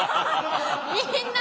みんな？